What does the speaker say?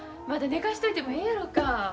まだ寝かしといてもええやろか。